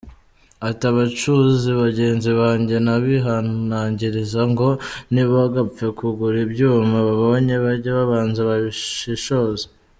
Ati “Abacuzi bagenzi banjye nabihanangiriza ngo ntibagapfe kugura ibyuma babonye, bajye babanza bashishoze.